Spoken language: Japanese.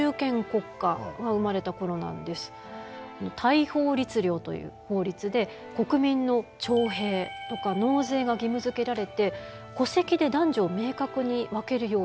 大宝律令という法律で国民の徴兵とか納税が義務づけられて戸籍で男女を明確に分けるようになりました。